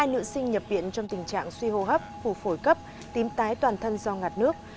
hai nữ sinh nhập viện trong tình trạng suy hô hấp phủ phổi cấp tím tái toàn thân do ngạt nước